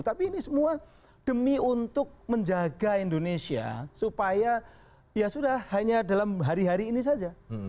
tapi ini semua demi untuk menjaga indonesia supaya ya sudah hanya dalam hari hari ini saja